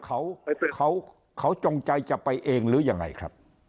เขาเขาจงใจจะไปเองหรือยังไงครับ